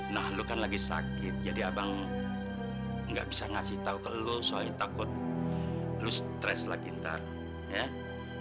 nah lo kan lagi sakit jadi abang nggak bisa ngasih tahu ke lo soalnya takut lu stress lagi ntar ya